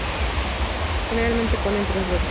Generalmente ponen tres huevos.